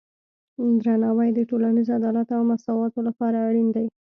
درناوی د ټولنیز عدالت او مساواتو لپاره اړین دی.